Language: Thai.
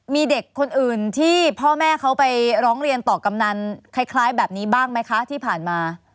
มีเด็กคนอื่นที่พ่อแม่เขาไปร้องเรียนต่อกำนันคล้ายแบบนี้บ้างไหมคะที่ผ่านมา